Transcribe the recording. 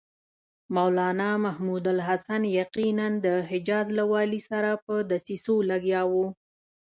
مولنا محمودالحسن یقیناً د حجاز له والي سره په دسیسو لګیا و.